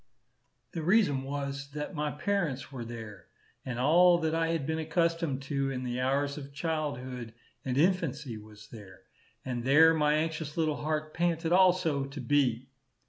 The reason was, that my parents were there, and all that I had been accustomed to in the hours of childhood and infancy was there; and there my anxious little heart panted also to be.